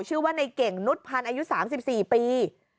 ชื่อว่านายเก่งนุฏภัณฑ์อายุ๓๔ปี